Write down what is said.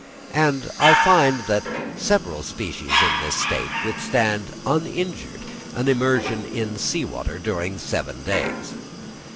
And I find that several species in this state withstand uninjured an immersion in sea water during seven days.